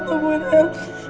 maksudmu banyak buy racing